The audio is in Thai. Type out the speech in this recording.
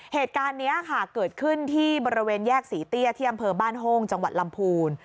เหตุการณ์นี้ค่ะเกิดขึ้นที่บริเวณแยกศรีเตี้ยที่อำเภอบ้านโฮงจังหวัดลำพูน